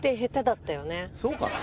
そうかな。